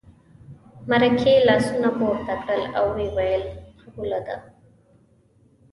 مرکې لاسونه پورته کړل او ویې ویل قبوله ده.